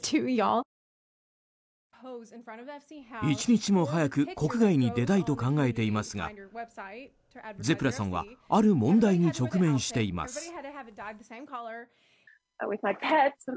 一日も早く国外に出たいと考えていますがゼプラさんはある問題に直面しています。